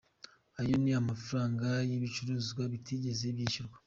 Ayo ni amafaranga y’ibicuruzwa bitigeze byishyurwa.